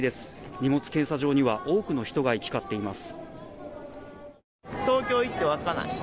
荷物検査場には多くの人が行き交っています。